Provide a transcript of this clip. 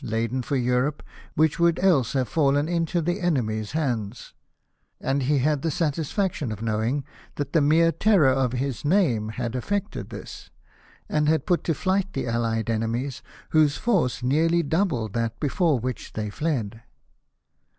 291 laden for Europe, which would else have fallen into the enemy's hands ; and he had the satisfaction of knowing that the mere terror of his name had effected this, and had put to flight the allied enemies, whose force nearly doubled that before which they fled.